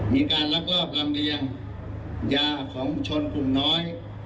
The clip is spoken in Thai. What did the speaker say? มีการรักรอบรำเรียงยาของชนกลุ่มน้อย